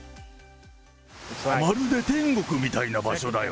まるで天国みたいな場所だよ。